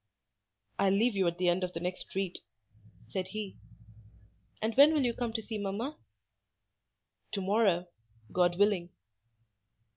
"I'll leave you at the end of the next street," said he. "And when will you come to see mamma?" "To morrow—God willing."